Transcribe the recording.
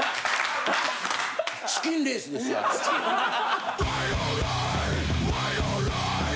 チキンレースですよあれは。